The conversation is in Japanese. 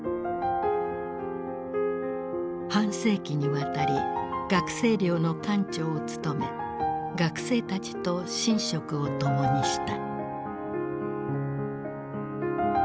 半世紀にわたり学生寮の館長を務め学生たちと寝食を共にした。